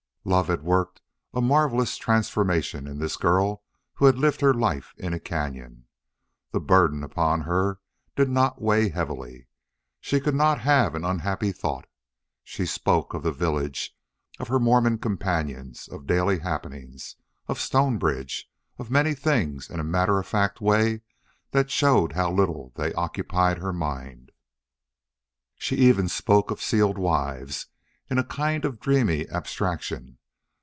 Love had worked a marvelous transformation in this girl who had lived her life in a cañon. The burden upon her did not weigh heavily. She could not have an unhappy thought. She spoke of the village, of her Mormon companions, of daily happenings, of Stonebridge, of many things in a matter of fact way that showed how little they occupied her mind. She even spoke of sealed wives in a kind of dreamy abstraction.